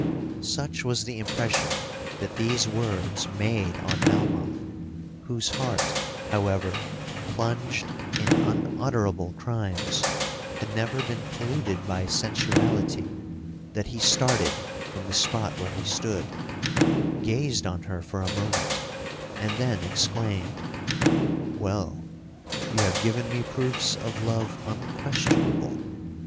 'Such was the impression that these words made on Melmoth, whose heart, however, plunged in unutterable crimes, had never been polluted by sensuality, that he started from the spot where he stood,—gazed on her for a moment,—and then exclaimed, 'Well! you have given me proofs of love unquestionable!